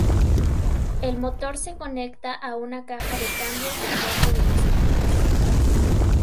El motor se conecta a una caja de cambios de cuatro velocidades.